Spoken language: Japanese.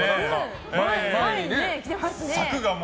前にね。